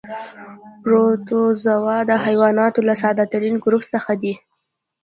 پروتوزوا د حیواناتو له ساده ترین ګروپ څخه دي.